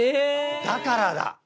だからだ！